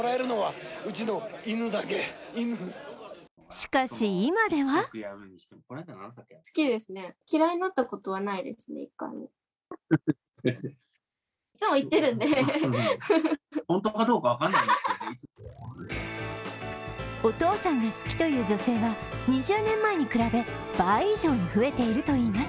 しかし、今ではお父さんが好きという女性は２０年前に比べ倍以上に増えているといいます。